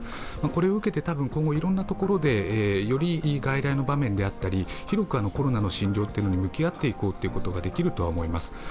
これを受けて今後いろんなところで外来の場面であったり広くコロナの診療に向き合っていこうということができると思います。